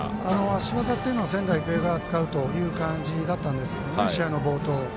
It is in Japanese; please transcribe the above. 足技というのは仙台育英が使うという感じだったんですが、試合の冒頭。